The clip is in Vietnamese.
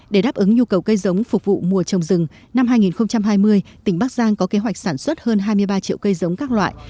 để đáp ứng nhu cầu cây giống phục vụ mùa trồng rừng năm hai nghìn hai mươi tỉnh bắc giang có kế hoạch sản xuất hơn hai mươi ba triệu cây giống các loại